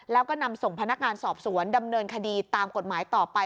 แล้วก็นำส่งพนักงานสอบสวนดำเนินคดีตามกฎหมายต่อไป